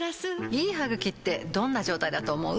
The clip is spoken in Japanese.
いい歯ぐきってどんな状態だと思う？